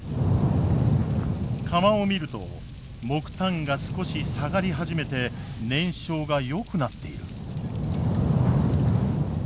釜を見ると木炭が少し下がり始めて燃焼がよくなっている。